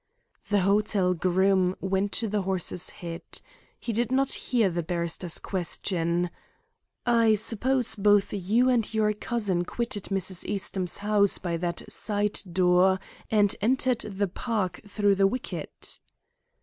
The hotel groom went to the horse's head. He did not hear the barrister's question: "I suppose both you and your cousin quitted Mrs. Eastham's house by that side door and entered the park through the wicket?"